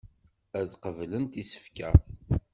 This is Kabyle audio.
Ad qeblent isefka.